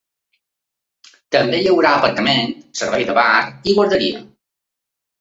També hi haurà aparcament, servei de bar i guarderia.